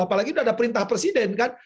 apalagi sudah ada perintah presiden kan